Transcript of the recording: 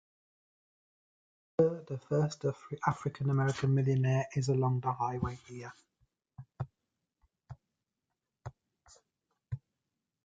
Walker, the first African-American millionaire, is along the highway here.